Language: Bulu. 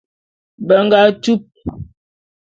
Be nga tup.